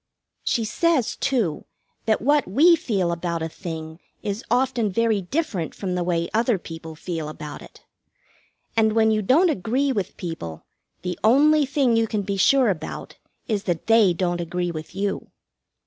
She says, too, that what we feel about a thing is very often different from the way other people feel about it. And when you don't agree with people, the only thing you can be sure about is that they don't agree with you.